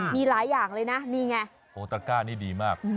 มีหลายอย่างเลยนะนี่ไงโอ้ตะก้านี่ดีมาก